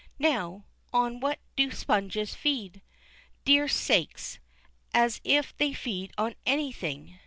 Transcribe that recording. Now, on what do sponges feed? Dear sakes, as if they fed on anything!